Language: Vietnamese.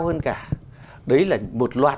hơn cả đấy là một loạt